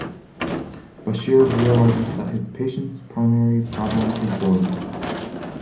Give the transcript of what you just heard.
Bashir realizes that his patients' primary problem is boredom.